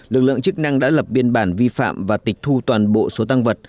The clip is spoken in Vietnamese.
lực lượng chức năng đã lập biên bản vi phạm và tịch thu toàn bộ số tăng vật